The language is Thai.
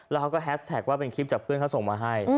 แล้วเขาก็แฮสแท็กว่าเป็นคลิปจากเพื่อนเขาส่งมาให้